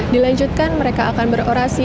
dilanjutkan mereka akan berorasi